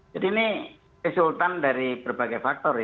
jadi ini resultant dari berbagai faktor ya